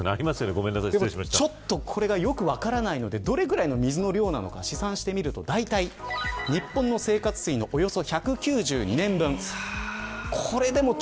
これがちょっとよく分からないのでどれぐらいの水の量なのか試算するとだいたい日本の生活水のおよそ１９２年分。